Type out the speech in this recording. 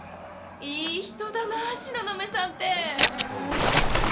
いい人だな東雲さんって。